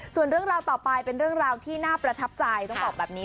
ส่วนเรื่องราวต่อไปเป็นเรื่องราวที่น่าประทับใจต้องบอกแบบนี้